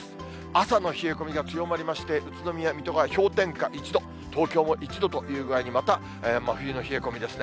朝の冷え込みが強まりまして、宇都宮、水戸が氷点下１度、東京も１度という具合に、また真冬の冷え込みですね。